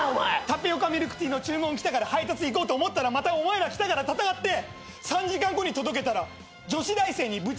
タピオカミルクティーの注文来たから配達行こうと思ったらまたお前ら来たから戦って３時間後に届けたら女子大生にブチギレられたよ。